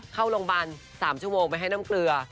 เข้าโรงพยาบาล๓ชั่วโมงไปให้น้ำเกลือ